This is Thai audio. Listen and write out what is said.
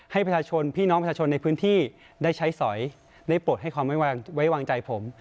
ให้ประชาชนพี่น้องประชาชนในพื้นที่ได้ใช้สอยได้ปลดให้ความไว้วางใจผม